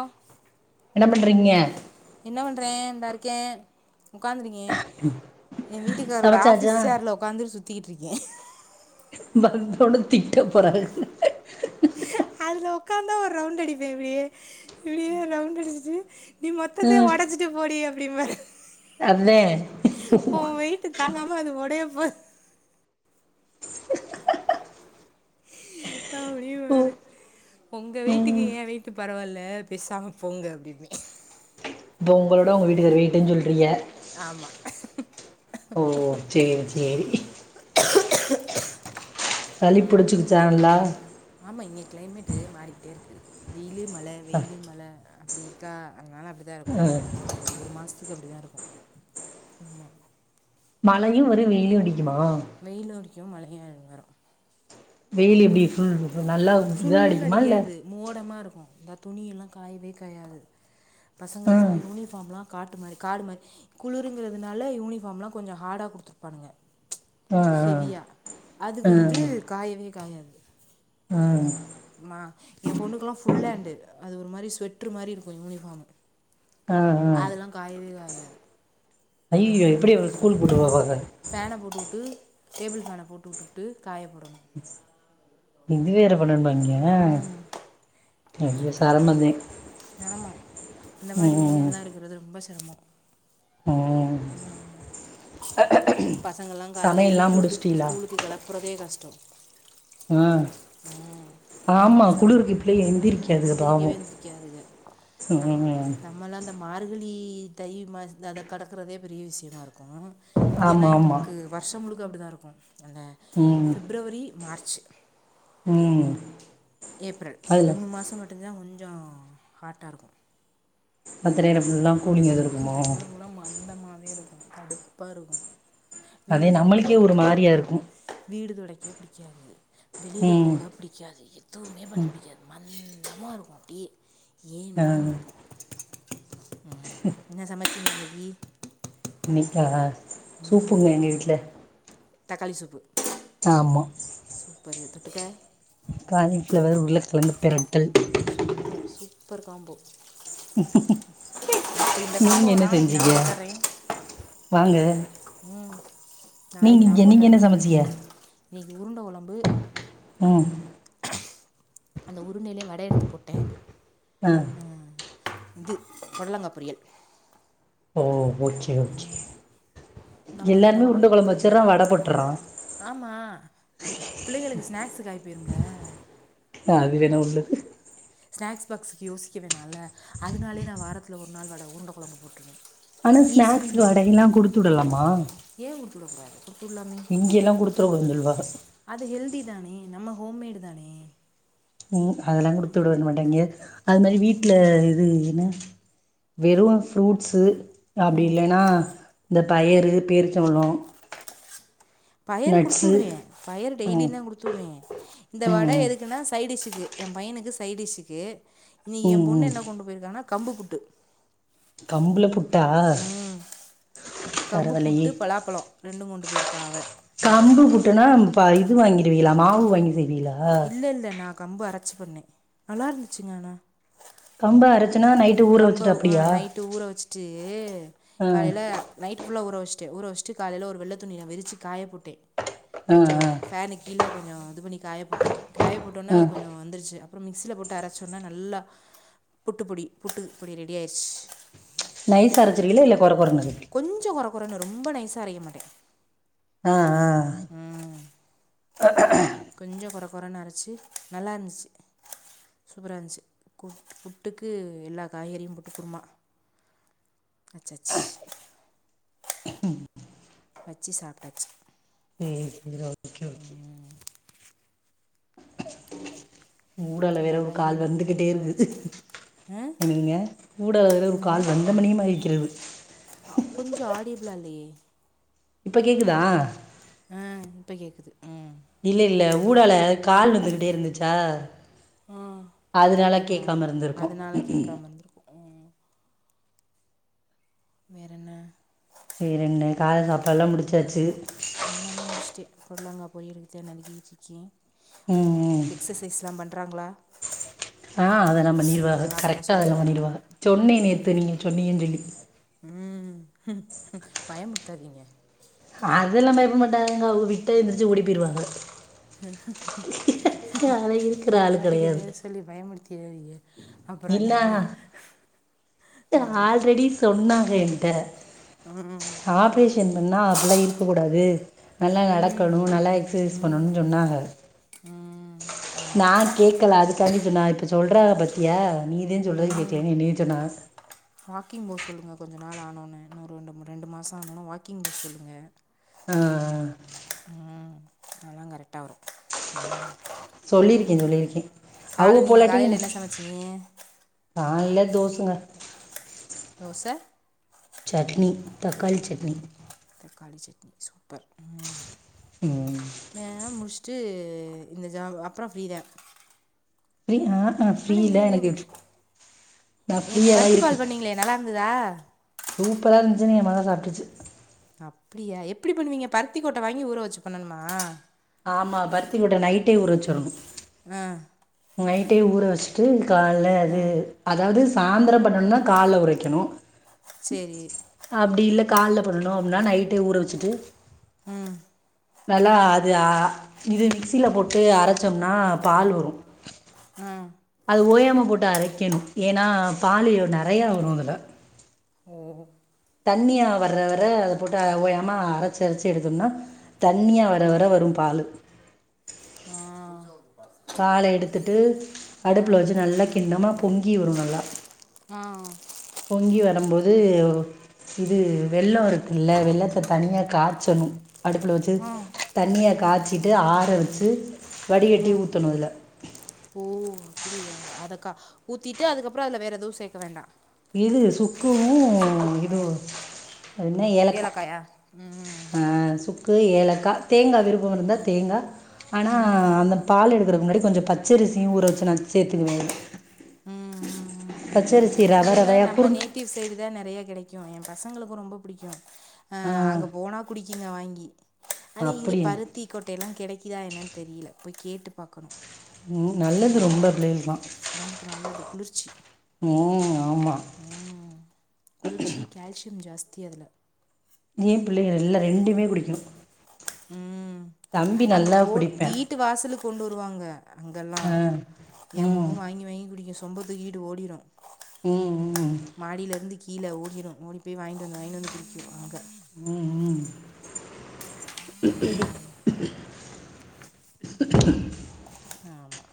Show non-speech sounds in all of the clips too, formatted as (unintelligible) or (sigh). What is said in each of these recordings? ஓ என்ன பண்றீங்க என்ன பண்றே இந்தாருக் கே உட்காந்துருக்கே ஏ வீட்டுக்காரோட சமைச்சாச்சா ஆஃபீஸ் ஃசேர்ல உட்காந்துரு சுத் த்திட்ருக்கே பந்தோன்னா திட்ட போறாங் அதுல உக்காந்தா ஒரு ரவுண்ட் அடிப்பே இப்பிடியே இப்பிடியே ரவுண்ட் அடிச்சிட்டு நீ மொத்தத்தே ஒடச்சிட்டு போடி பிடிம்மாரு அத்தே தாங்காம அது உடைய போது அப்பிடின்னுபாரு உங்க வெயிட்டுக்கு ம் ஏ வெயிட்டு பரவாயில்ல பேசாம போங்க அப்பிடின்ப பொங்களோட உங்க வீட்டுகாரு வெயிட்டுன்னு சொல்றீங்க ஆமா ஓ சேரி சேரி சளி புடிச்சுக்குச்சா நல்லா ஆமா இங்க கிளைமேட்டு மாறிக்கிட்டே இருக்கு வெயில் வெயிலு மல வெயில்லு மல அப்டி இருக்கா அன்னால அப்டி அத்த ஆ பொறுமையா இருங்க ஒரு மாசத்து அதுக்கு அப்டி தா இருக்கு ஆம்மா மழையு வரு வெயிலு அடிக்கு ஜிம்மா (inaudible) வெயில் எப்டி இருக்கு நல்லா ஒரு இதா சுள்ளுன்னு அடிக்குமா இல்ல அடிக்காது மோடமாக இந்த துணியெல்லா காயவே காயாது ஆ பசங்களுக்குலா யூனிஃபார்ம்லா காட்டு மாரி காடு மாரி குளுருங்கறதுனால யூனிஃபார்லா கொஞ்சோ ஹார்டா குடுத்துருப்பானுங்க ஆ ஹெவியா அது ஆ ஆ வந்து காயவே காயாது ஆ மா எ பொண்ணுக்குல்லா ஃபுல் ஹேண்டு அது ஒரு மாரி ஸ்வெட்ரு மாரி இருக்கு யூனிஃபார்ம் ஆ அதெல்லா காயவே காய தெரியாது அய்யய்யே உ ஃபேன போட்டுக்கிட்டு டேபிள் ஃபேன போட்டுஉட்டுட்டு காய்யபோடனு இந்திநேரோ ஏ பணோ வாங்கி யா (inaudible) சிரமதந்தா சிரமம் இந்த மாதிரி உ ஏரியாலாம் இருக்கிறது ரொம்ப சிரமம் ஆ பசங்கல்லா கால்ல எலுப்பி உட்டு முடிச்சுட்டீலா ஸ்கூலுக்கு களப்புறதே கஷ்ட (inaudible) ஆ ஆ ஆமா சம. குளிருக்கு பிள்ளைக எந்திரிக்காதுக பாவோ எந்திரிக்கவே எந்திரிக்காதுக நம். ம் நம்மலா இந்த மார்கலி இ தை மாசி தத கடக்கறதே பெரிய விஷயமா இருக்கோ இங்கலா ஆமா ஆமா எங்களுக்கு வருஷ முலுக் அப்டிதா இருக்கோ அந்த ம் பிப்ரவரி மார்ச் ம் ஏப்ரல் இந்த அதுல மூணு மாச மட்டு தா ஒல் கொஞ்ச ஹாட்டா இருக்கோ பத்தனேரோ ஃபுல்லா கூலிங் இது ம் இருக்குமோ தனியாளவலா மந்தமாவே இருக் கடுப்பா இருக்கோ அதே வீடு தொடைக்க நம்மளுக்கே ஒரு பிடிக்காது மாரியா இருக்கு வீடு தொடைக்க புடிக்காது வெளியல ம் போக புடிக்காது எதுவுமே பண்ண புடிக்காது மணு சும்மா இரும்மா டீ ஆ ஏண்டான்னு இருக்கோ என்ன (inaudible) ஈ நீக்காகா சூப்புங்க எங்க வீட்டுல தக்காளி சூப்பு ஆமா சூப்பரு தொட்டுக்க காலிஃபிளவர் உள்ள கிழங்கு பிரட் சூப்பர் சூப் ஃபர் காம்போ இப்போ இந்த நீங்க காம்போ என்ன நாளைக்கு நான் செஞ்சிங்க போட்டுறேன் வாங்க ம் நீங்க நாளைக்கு நா இங்க நீங்க போட்டுறே என்ன சமச்சீங்க இன்னிக்கு உருண்ட கொழம்பு ப்பு ம் அந்த உருண்டலையே வட எடுத்து போட்டே ஆ இது பொடலங்கா பொரியல் ஓ ஓகே ஓகே நம்ம வீட் எல்லாருமே நம்ம பக் உருண்ட கொழம்பு வச்சறோ வடை போட்டறோ ஆமாம் பிள்ளைங்களுக்கு ஸ்நாக்காயி போயிரும்ல ஆ அது வேணா உள்ளது ஸ்நாக்ஸ் பாக்ஸுக்கு யோசிக்க வேணால்ல அதனாலே நா வாரத்தில ஒரு நாள் வட உருண்ட குழம்பு போட்டுருவே ஆனா ஸ்நாக்ஸ்கு வடையெல்லா குடுத்துவுடலாமா ஹஹ இங்கயெல்லா கொடுத்துறவு சொல்வாக ட்தி தானே நம்ம ஹோம்மேடு தானே ம் அதெல்லா குடுத்து விடவேங்கமாட்டாய்ங்க அது மாரி வீட்டல இது என்ன வெறு ஃப்ரூட்ஸு அப்பிடி இல்லைன்னா இந்த பயறு பேரிச்ச பலோ பயரு குடுத்துவிடுவே பயரு ம் டெய்லிதா குடுத்துவிடுவே இந்த ம் ம் வடை எதுக்குன்னா சைடிஸீக்கு எ பையனுக்கு சைடிஷுக்கு இன்னிக் எ ம் பொண்ணு ம் என்ன கொண்டு போயிருக்கானா கம்பு புட்டு கம்புல புட்டா ம் கம்பு பரவால்லயே புட்டு பலாப்பழ ரெண்டு கொண்டு போயிருக் க்காவ கம்பு புட்டுனா பா இது வாங்கிருவீங்களா மாவு வாங்கி செய் நீலா இல்லை இல்லை நான் கம்பு அரச்சி பண்ணே நல்லா இருந்துச்சுங்க ஆனா கம்ப அரச் கம்ப ஆ நைட்டு ஊற வச்சிட்டு ஆ காலையில நைட்டு ஃபுல்லா ஊற வச் ஷ்ட்டு ஊற வச்ட்டு காலைல ஒரு வெள்ள துணிய விரிச்சி காய போட்டே ஆ கொஞ்சோ ஆ ஃபேனு கீழ கொஞ்சோ இது பண்ணி காய போட்டே காய போட்டோன்னா ஆ அது கொஞ்சோ வந்துருச்சி அப்புறம் மிக்சியில போட்டு அரைச்சோன்னா நல்லா புட்டுப்பிடி புட்டு இப்படி ரெடி ஆயிருச்சு நைசா அரசிருவீங்களா இல்ல குற குறனு (unintelligible) குறன்னு ரொம்ப நைசா அரைக மாட்டே ஆ ஆ கொஞ்ச குற குறன்னு அரைச்சு நல்லா இருந்துச்சு சூப்பரா இருந்துச்சு புட் புட்டுக்கு எல்லா காய்கறியும் புட்டு குருமா அச்சசு பச்சி சாப்பாட்டுச்சு (unintelligible) ஊடால வேற எல்லா ஒரு கால் காய்கறியும் போட்டு வந்துகிட்டே குருமா இருக்கு வச்சுட்டு ஆ எனக்குங்க ஊடால வேற ஒரு என்னங்க கால் வந்த மணிமா இருக்கிறது கொஞ்சம் ஆடியபிளாக இல்லையே இப்ப கேக்குதா ஆ இப்ப கேக்குது ம் இல்ல இல்ல ஊடால கால் வந்துகிட்டே இருந்துச்சா அதனால கேட்காம ம் இருந்திருக்கோ அதனால் கேட்காம இருந்திருக்கும் ம் வேறான வேற என்ன காலையில சாப்பிடல்லா முடிச்சாச்சு எல்லாமே முடிச்சுட்டு பொடலங்கா போய் வீட்ல நரிக்கிட்டு வச்சாச்சு ம் ம் எக்சசைஸ் எல்லா பண் றாங்களா ஆ அதெல்லா பண்ணிருவாங்க பண்ண கரெக்டா அதெல்லா சொல்லுங்கள் பண்ணிடுவாங்க சொன்னே நேத்து நீங்க சொன்னிங்க சொல்லி ம் பயமுடுத்தாதீங்க அதெல்லா பயப்ப மாட்டாங்க அவங்க விட்ட எந்திரச்சு ஓடி போய்டுவாங்க அது இருக்கிற நீ ஆள் வாட்டிக்கு கிடையாது எதையாவது சொல்லி பயமுறுத்திராதீங்க அப்புறோ நிலா நாம (unintelligible) ஆல்ரெடி சொன்னா என்கிட்ட ஆப்ரேஷன் பண்ணா அப்படால்லா இருக்க கூடாது வே நல்லா ம் நடக்கணு நல்லா எக்சசைஸ் பண்ணணும் சொன்னாங்க ம் ஆமாம் நா கேக்கல அது கண்டிப்ப நா இப்ப சொ சொல்கிறாங்க பத்தியா நீதா சொல்றது கேக்கலனு என்னய சொங்க கொஞ்சம் நாள் ஆன ஒன்னே இன்னொரு ரெண்டு மூ ரெண்டு மாசம் ஆன ஒன்னே வாக்கிங் போ சொல்லுங்க ஆ ஆ அதல்லாம் கரெட்டா வரும் சேரி சொல்லியிருக்கேன் சொல்லியிருக்கேன் அவங்க கால்ல நீங்க போலாட்டி காலையில நான் என்ன சமைச்சீங்க தோசங்க தோச சட்னி சட்னி தக்காளி சட் சூப்பர் ம் ம் வேல முடிச்ட்டு து இந்த ஜா அப்பறம் ஃப்ரீ தான் ஃபிரியா ஆனா என்ன ஏதோ வே நான் நேத்து ஃப்ரீயாக தான் பருத்தி பால் பண்ணீங்களே நல்லா இருந்ததா சூப்பரா இருந்துச்சினு என் மக சாப்ட்டுச்சி அப்டியா எப்டி பண்ணுவீங்க பருத்திகொட்ட வாங்கி ஊற வச்சி பண்ணணுமா ஆமா பருத்திகொட்ட நைட்டே ஊற வச்சிரணும் ஆ நைட்டே ஊற வச்சிட்டு கால்ல அது அதாவது சாந்தரம் பண்ணனும்னா கால்ல ஊற வக்கனும் சேரி கால்ல பண்ணணும் அப்னா நைட்டே ஊற வச்சிட்டு ம் நல்லா அது ஆ இது மிக்சில போட்டு அரச்சோம்னா பால் வரும் ம் ஓயாம போட்டு அரைக்கணும் ஏன்னா பாலு நெறையா வரும் அதுல ம் தண்ணியா வர வர அத போட்டு ஓயாம அரச்சி அரச்சி எடுத்தோம்னா தண்ணியா வர வர வரும் பாலு ஆ பால எடுத்துட்டு ஆ அடுப்புல வச்சி நல்லா கிண்ணமா பொங் கீ வரும் நல்லா ஆ பொங்கி வரம்போது இது வெள்ளம் இருக்குல்ல வெள்ளத்த தனியா காச்சணும் அடுப்புல வச்சி தண்ணியா காச்சிட்டு ஆற வச்சி வடிகட்டி ஊத்தணும் அதுல அப்டியா அதக்கா ஊத்திட்டு அதுக்கப்பறம் அதுல வேற எதுவும் சேக்க வேண்டா இதுல சூப் க்கும் இது ம் அது என்ன ஏலக்கா ஏலக்காயா ம் ம் ஆ சு க்கு ஏலக்கா தேங்கா விருப்பம் இருந்தா தேங்கா ஆனா அந்த பால் எடு க்கறது முன்னாடி கொஞ்சம் பச்சரிசியும் ஊர வச்சு நான் சேத்துக்குவேன் அதுல ம் ம் ம் ம் பச்சரிசி ர இதெல்லாம் நம்ம நேட்டிவ் சைடு தான் நெறையா கெடைக் கும் வாய என் பசங்களுக்கும் ரொம்ப பிடிக்கும் ஆ அங்க போனா குடிக்கிங்க வாங்கி ஆன இங்க அப்படியா பருத்தி கொட்டைலாம் கெடைக்குதா என்னான்னு தெரியல போய் கேட்டு பாக்கணும் ம் நல்லது ரொம்ப பிள்ளைகள்ல உடம்புக்கு நல்லது குளிர்ச்சி ம் ஆமாம் ம் குளிர்ச்சி கேல்சியம் ஜாஸ் தி அதுல ஏன் பிள்ளைகள் எல்லாம் ரெண்டுமே குடிக்கும் ம் தம்பி அங்க நல்லா போனு குடிப்பேன் வீட்டு வாசலுக் கொண்டு வருவாங்க அங்கெல்லாம் ஆ என் ம் பொண்ணு வாங்கி வாங்கி குடிக்க சொ சொம்ப தூக்கிட்டு ஓடிரும் ம் ம் மாடியில இருந்து கீழ ஓடிரும் ஓடி போய் வாங்கிட்டு வந்து வாங்கிட்டு வந்து குடிக்கும் அங்க ம் ம் ஆமா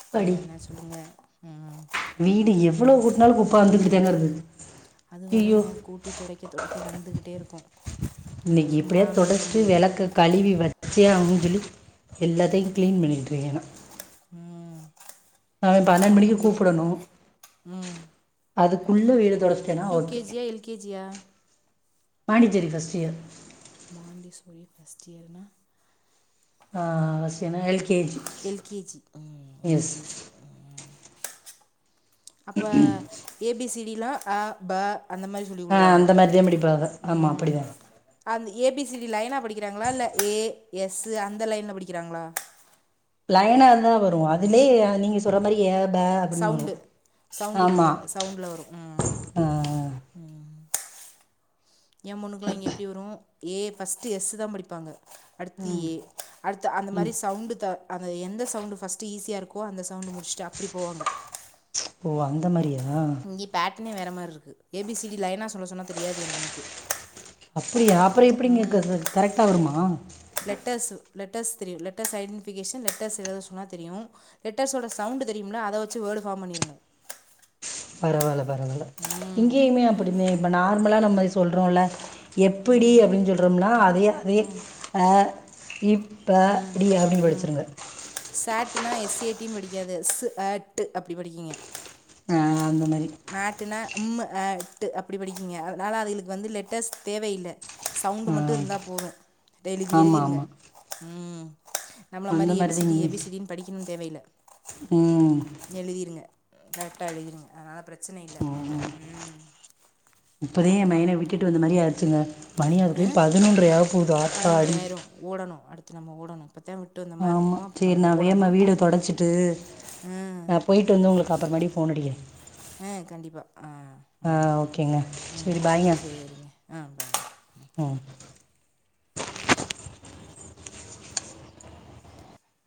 அப்பாடி வீடு எவ்ளோ கூட்னாலும் குப்ப வந்துகிட் டேகறது அது வருங்க கூட்டி தொடைக்க தொடைக்க வந்துகிட்டே இருக்கும் இன்னைக்கு சும்மாலா இருக்க முடியாது ச்சியான் அப்டின் சொல்லி எல்லாத்தையும் க்ளீன் பண்ணி விட்டுருக்கன் நா ம் அதுக்கு பன்னண்டு மணிக்கே கூப்படணும் ம் அது உள்ள வைக் யூகேஜியா எல்கேஜியா பாண்டிசேரி பர்ஸ்ட் இயர் பாண்டிஸ்வரி ஃபர்ஸ்ட் இயர்னா ஆஹ் ஃபர்ஸ்டு இயர்னா எல் கே ஜி எல்கேஜி ம் எஸ் எல்கேஜி அப்ப ஏ பிசி பிலா அ ப அந்த மாதிரி சொல்லிக் ஆ கொடுக்குறாங்க அந்த மாதிரி தான் படிப்பாக உ ஆமாம் அப்படி தான் அந்த ஏ பிசி லைனா படிக்கிறாங்களா இல்ல ஏ எஸ் அந்த லைன்ல படிக்கிறாங்களா லைனா தான் வரும் அதுலயே நீங்க சொல்ற மாதிரி சவுண்டு சவுண்டிங்ல சவுண்ட்ல வரும் உம் ஆ உம் என் பொண்ணுக்கல்லாம் இங்க எப்படி வரும் ஏ பர்ஸ்ட்டுஎஸ் தான் படிப்பாங்க அடுத்து ஏ அடுத்த அந்த மாதிரி சவுண்டு அந்த எந்த சவுண்டு் ஃபர்ஸ்ட்டு ஈஸியா இருக்கோ அந்த சவுண்ட் முடிச்சுட்டு அப்டி போவாங்க ஓ அந்த மாரியா இங்கே பேட் வேற மாரி இருக்கு ஏ பிசி டி லைனா சொல்ல சொன்னா தெரியாது என் பொண்ணுக்கு அப்படியா அப்புறம் எப்படிங்க ம் கரெக்ட்டா வருமா லெட்டர்ஸ் லெட்டர்ஸ் தெரியும் லெட்டர்ஸ் ஐடெடிஃபிகேஷன் லெட்டர்ஸ் ஏதாவது சொன்னா தெரியும் லெட்டர்ஸோட சவுண்ட் தெரியும்லா அதை வச்சு வேர்டு ஃபார்ம் பண்ணிடுங்க பரவால பரவால்ல ம் இங்கேயுமே அப்படி இப்ப நார்மலா நம்ம சொல்றோன்ல்ல எப்புடி ம் அப்டின்னு சொல்றோம்னா அதே அதே ஆஹ் இப் இப்ப ம் டி அப்டின்னு படிச்சிருங்க சாட்னா எஸ்ஏடின்னு படிக்காது இஸ் ஆட்டு அப்டி படிக்கீங்க ஆஹ் அந்த மா மேட்டுனா எம்மு அ ட்டு அப்டி படிக்கிங்க அதனால அதுகளுக்கு வந்து லெட்டர்ஸ் தேவையில்லை சவுண்ட ஆ மட்டு இருந்தா போது எழுதி ஆமா எழுதிருங்க ஆமா ம் நம்மள அந்த மாரி மாரிதா ஏபிசிடி இங்கயு ஏபிசிடினு படிக்கணுன்னு தேவையில்ல ம் எழுதிருங்க கரெக்டா எழுதிருங்க அதனால பிரச்ச ம்ம் இப்பதே எம்பையன அப்புறம் விட்டுட்டு வந்த மாரி ஆச்சுங்க மணியாது பதினொன்றையா பதினொன்ற ஆயிரு ஓடணு அடுத் நம்ம ஓடணு ஆமா சேரி நா வேமா வீடு தொடடைச்சிட்டு ஆ நா போயிட்டு வந்து உங்களுக்கு அப்புறோ மாடியு ஃபோன் அடிக்கிறே ஆ கண்டிப்பா ஆ ஆ ம் ஓகேங்க ம்ம் சேரி பாய்ங்க சேரிங்க ஆ ம்